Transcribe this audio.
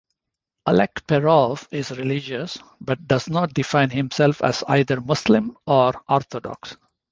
Alekperov is religious, but does not define himself as either Muslim or Orthodox.